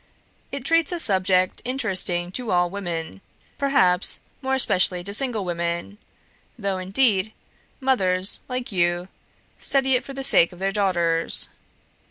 It treats a subject interesting to all women perhaps, more especially to single women; though, indeed, mothers, like you, study it for the sake of their daughters.